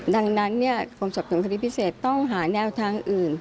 ดังนั้นกรมสอบสวนคดีพิเศษต้องหาแนวทางอื่น